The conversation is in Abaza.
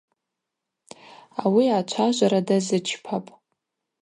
Ауи ачважвара дазычпапӏ.